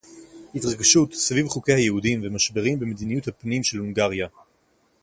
התרגשות סביב חוקי היהודים ומשברים במדיניות־הפנים של הונגריה.